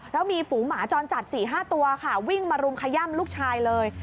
แล้วมีฝูหมาจรจัดสี่ห้าตัววิ่งมารุมขย่ำลูกชายเลย